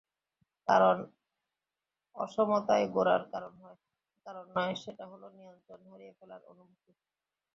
কারণ, অসমতাই গোড়ার কারণ নয়, সেটা হলো, নিয়ন্ত্রণ হারিয়ে ফেলার অনুভূতি।